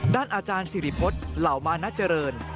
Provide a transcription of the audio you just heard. ด้านอาจารย์สิริพจส์เหล่ามานัจริย์